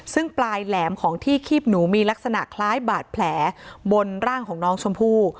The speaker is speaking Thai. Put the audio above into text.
ซึ่งปลายแหลมของที่คีบหนูมีลักษณะคล้ายบาดแผลบนร่างของน้องชมพู่